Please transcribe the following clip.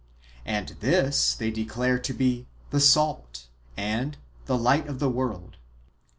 And this they declare to be " the salt" ^ and " the light of the v/orld."